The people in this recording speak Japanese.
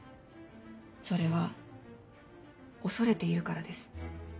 それは恐れているからです。